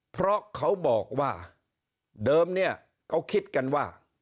เพราะเขาบอกว่าเดิมเนี่ยเขาคิดกันว่า